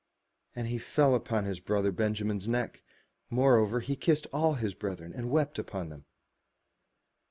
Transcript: And he fell upon his brother Benjamin's neck. Moreover he kissed all his brethren, and wept upon them.